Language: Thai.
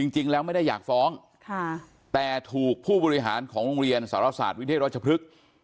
จริงแล้วไม่ได้อยากฟ้องแต่ถูกผู้บริหารของโรงเรียนสารศาสตร์วิเทศรัชพฤกษ์